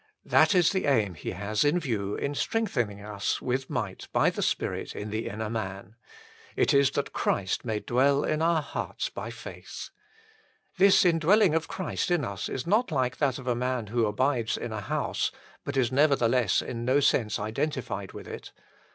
That is the aim He has in view in strengthen HOW IT COMES TO ITS MANIFESTATION 127 ing us with might by the Spirit in the inner man. It is that Christ may dwell in our hearts by faith. This indwelling of Christ in us is not like that of a man who abides in a house, but is nevertheless in no sense identified with it.